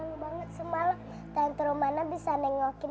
anggi pengen pak tiap hari itu tenter rumahnya bisa nengokin